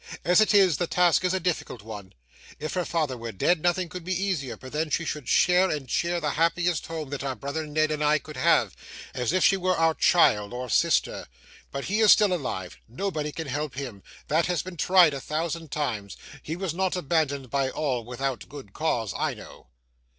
As it is, the task is a difficult one. If her father were dead, nothing could be easier, for then she should share and cheer the happiest home that brother Ned and I could have, as if she were our child or sister. But he is still alive. Nobody can help him; that has been tried a thousand times; he was not abandoned by all without good cause, I know.